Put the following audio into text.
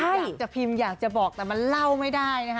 อยากจะพิมพ์อยากจะบอกแต่มันเล่าไม่ได้นะคะ